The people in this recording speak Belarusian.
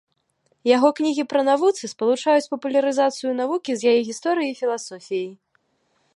Яго кнігі пра навуцы спалучаюць папулярызацыю навукі з яе гісторыяй і філасофіяй.